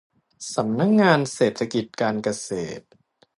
สำนักงานเศรษฐกิจการเกษตร